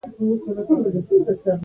سهار مومن خان باچا ته وویل چې زه ځم.